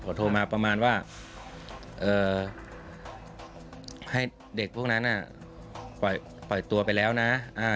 พอโทรมาประมาณว่าให้เด็กพวกนั้นปล่อยตัวไปแล้วนะ